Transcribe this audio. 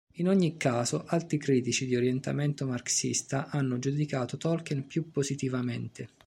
In ogni caso, altri critici di orientamento marxista hanno giudicato Tolkien più positivamente.